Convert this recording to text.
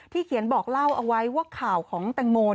เขียนบอกเล่าเอาไว้ว่าข่าวของแตงโม